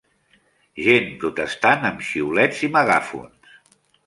gent protestant amb xiulets i megàfons.